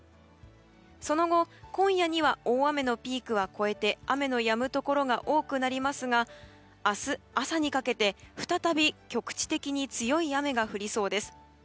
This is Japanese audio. その後、今夜には大雨のピークは越えて雨のやむところが多くなりますが明日朝にかけて再び局地的に強い雨が降りそうです。